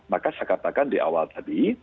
maka saya katakan di awal tadi